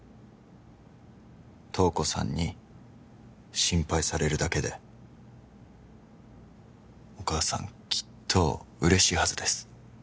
瞳子さんに心配されるだけでお母さんきっと嬉しいはずです